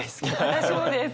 私もです。